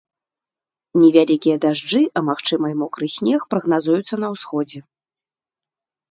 Невялікія дажджы, а магчыма і мокры снег прагназуюцца на ўсходзе.